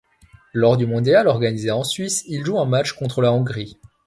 Lors du mondial organisé en Suisse, il joue un match contre la Hongrie.